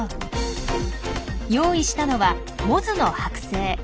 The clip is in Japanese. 用意したのはモズのはく製。